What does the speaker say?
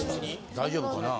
大丈夫かなぁ。